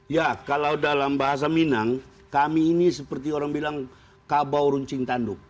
ya kalau dalam bahasa minang kami ini seperti orang bilang kabau runcing tanduk